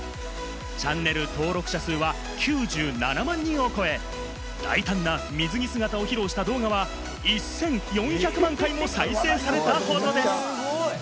チャンネル登録者数は９７万人を超え、大胆な水着姿を披露した動画は１４００万回も再生されたほどです！